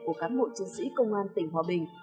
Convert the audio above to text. của cán bộ chiến sĩ công an tỉnh hòa bình